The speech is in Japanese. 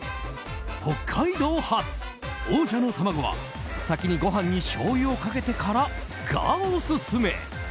北海道発、王者の卵は先にご飯にしょうゆをかけてからがオススメ。